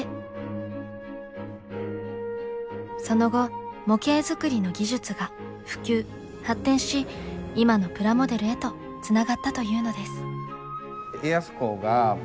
その後模型づくりの技術が普及発展し今のプラモデルへとつながったというのです。